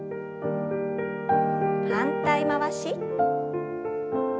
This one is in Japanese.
反対回し。